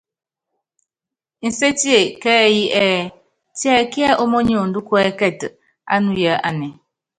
Nsétie kɛ́ɛ́yí ɛɛ: Tiɛkíɛ ómóniondó kuɛ́kɛtɛ ánuya anɛ ?